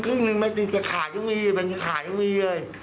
ครึ่งหนึ่งเม็ดหนึ่งแต่ขายุ่งมีเลย